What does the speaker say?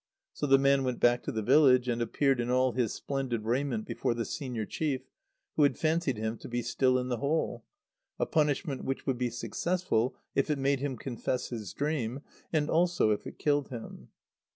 So the man went back to the village, and appeared in all his splendid raiment before the senior chief, who had fancied him to be still in the hole, a punishment which would be successful if it made him confess his dream, and also if it killed him.